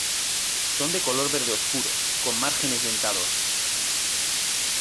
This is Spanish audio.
Son de color verde oscuro, con márgenes dentados.